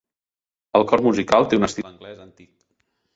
El cor musical té un estil anglès antic.